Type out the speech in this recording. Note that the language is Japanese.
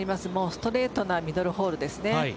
ストレートのミドルホールです。